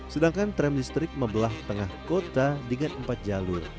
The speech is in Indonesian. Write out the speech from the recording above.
sedangkan tram listrik membelah tengah kota dengan empat jalur